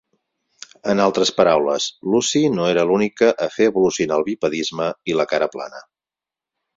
En altres paraules, Lucy no era l'única a fer evolucionar el bipedisme i la cara plana.